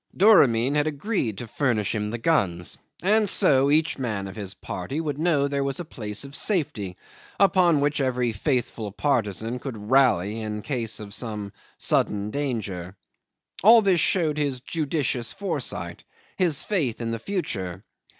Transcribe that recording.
Doramin had agreed to furnish him the guns; and so each man of his party would know there was a place of safety, upon which every faithful partisan could rally in case of some sudden danger. All this showed his judicious foresight, his faith in the future.